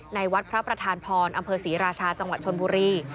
ในวัดพระประธานพรอำเภอศรีราชาจังหวัดชนบุรี